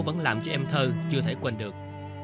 vẫn làm cho em thơ chưa thể quên được